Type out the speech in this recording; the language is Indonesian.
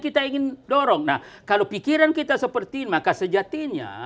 kita ingin dorong nah kalau pikiran kita seperti ini maka sejatinya